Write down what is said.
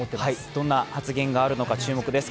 どんな発言があるのか注目です。